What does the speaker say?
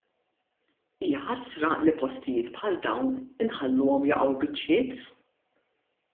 Hija ħasra li postijiet bħal dawn inħalluhom jaqgħu biċċiet!